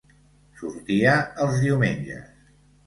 Sortia els diumenges.